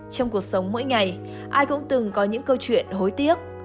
trong cuộc sống mỗi ngày ai cũng từng có những câu chuyện hối tiếc